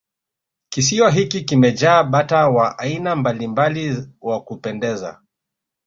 kisiwa hiki kimejaa bata wa aina mbalimbali wa kupendeza